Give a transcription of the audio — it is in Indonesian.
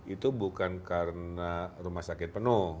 itu bukan karena rumah sakit penuh